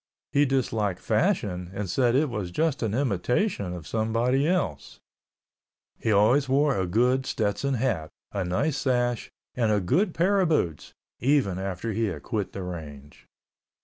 He disliked fashion and said it was just an imitation of someone else. He always wore a good Stetson hat, a nice sash, and a good pair of boots—even after he had quit the range.